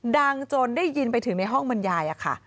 ดังจนได้ยินไปถึงในห้องบรรยายค่ะ